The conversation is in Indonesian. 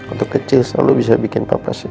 untuk kecil selalu bisa bikin bapak senyum